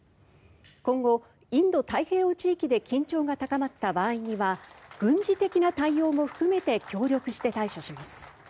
今後、インド太平洋地域で緊張が高まった場合には軍事的な対応も含めて協力して対処します。